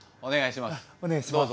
お願いします。